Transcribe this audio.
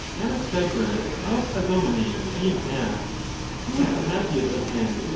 ^ Anaxagoras of Clazomenae being asked, ' Who was the happiest of men?'